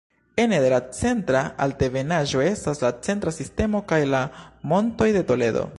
Ene de la Centra Altebenaĵo estas la Centra Sistemo kaj la Montoj de Toledo.